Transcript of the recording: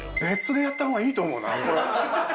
別でやったほうがいいと思うな。